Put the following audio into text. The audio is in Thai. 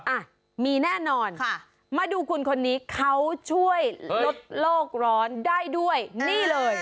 อ่ะมีแน่นอนค่ะมาดูคุณคนนี้เขาช่วยลดโลกร้อนได้ด้วยนี่เลย